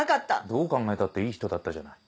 どう考えたっていい人だったじゃない。